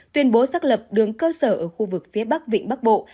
tuyên bố xác lập đường cơ sở ở khu vực phía bắc vịnh bắc bộ